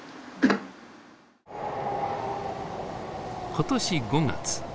今年５月。